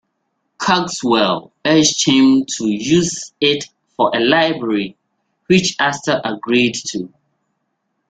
Cogswell urged him to use it for a library, which Astor agreed to.